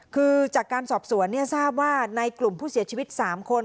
คือจากการสอบสวนทราบว่าในกลุ่มผู้เสียชีวิต๓คน